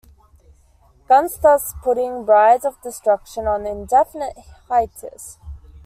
Guns thus putting Brides of Destruction on indefinite hiatus.